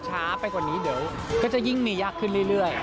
ช้าไปกว่านี้เดี๋ยวก็จะยิ่งมียากขึ้นเรื่อย